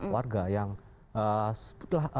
warga yang sebutlah